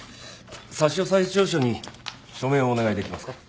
差押調書に署名をお願いできますか？